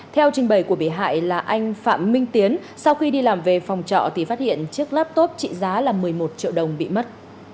theo trình bày của bị hại là anh phạm minh tiến sau khi đi làm về phòng trọ thì phát hiện chiếc laptop trị giá là một mươi một triệu đồng bị mất